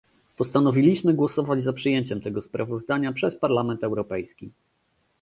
postanowiliśmy głosować za przyjęciem tego sprawozdania przez Parlament Europejski